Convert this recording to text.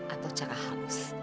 atau cara halus